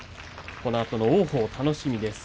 このあとの王鵬楽しみです。